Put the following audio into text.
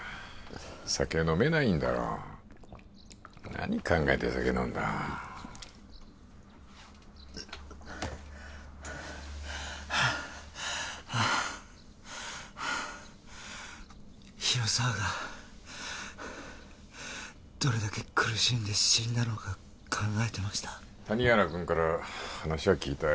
酒飲めないんだろ何考えて酒飲んだ広沢がどれだけ苦しんで死んだのか考えてました谷原君から話は聞いたよ